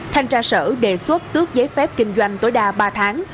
thanh tra sở đề xuất tước giấy phép kinh doanh tối đa ba tháng